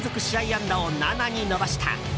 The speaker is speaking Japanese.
安打を７に伸ばした。